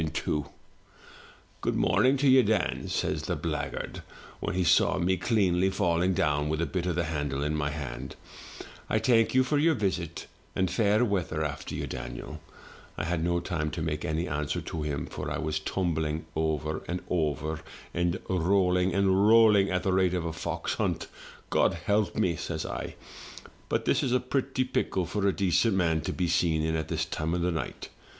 78 THROUGH FAIRY HALLS 'Good morning to you, Dan/ says the blackguard, when he saw me cleanly falling down with a bit of the handle in my hand, ' I thank you for your visit, and fair weather after you, Daniel/ I had no time to make any answer to him, for I was tumbling over and over, and rolling and rolling, at the rate of a fox hunt. 'God help me!' says I. *But this is a pretty pickle for a decent man to be seen in at this time o* night.